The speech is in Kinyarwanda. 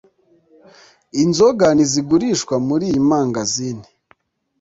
Inzoga ntizigurishwa muriyi mangazini